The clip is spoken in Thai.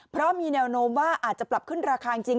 เพราะมีแนวโน้มว่าอาจจะปรับขึ้นราคาจริง